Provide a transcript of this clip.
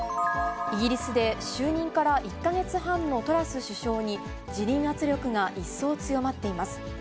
イギリスで就任から１か月半のトラス首相に、辞任圧力が一層強まっています。